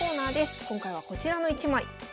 今回はこちらの一枚。